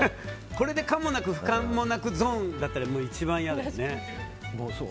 これで可もなく不可もなくゾーンだったら一番嫌だよね。